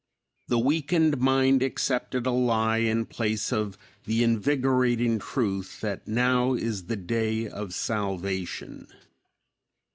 The weakened mind accepted a lie in place of the invigorating truth that "now is the day of salvation."